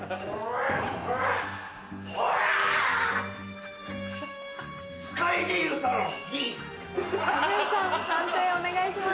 はいお願いします。